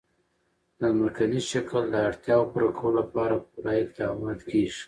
د ځمکني شکل د اړتیاوو پوره کولو لپاره پوره اقدامات کېږي.